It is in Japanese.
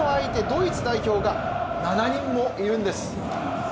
ドイツ代表が７人もいるんです。